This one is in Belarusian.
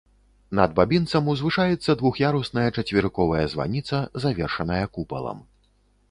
Над бабінцам узвышаецца двух'ярусная чацверыковая званіца, завершаная купалам.